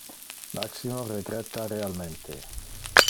Maximo regretta realmente.